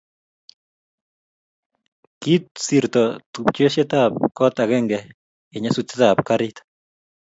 kisirto tupchesiekab koot agenge eng' nyasutietab karit